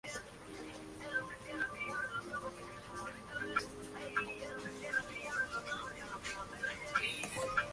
Algunos tienen, además, los estatus de municipio y ciudad.